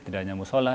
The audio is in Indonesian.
tidak hanya musholah